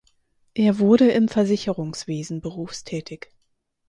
Er wurde im Versicherungswesen berufstätig.